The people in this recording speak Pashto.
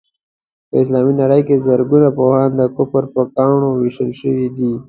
په اسلامي نړۍ کې زرګونه پوهان د کفر په ګاڼو ويشتل شوي دي.